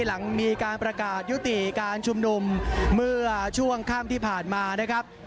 หลังมีการประกาศยุติการชุมนุมเมื่อช่วงค่ำที่ผ่านมานะครับ